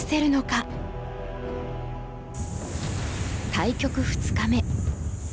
対局２日目。